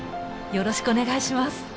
よろしくお願いします。